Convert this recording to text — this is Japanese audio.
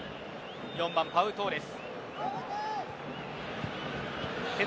４番、パウ・トーレス。